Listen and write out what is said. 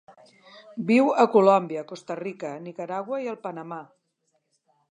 Viu a Colòmbia, Costa Rica, Nicaragua i el Panamà.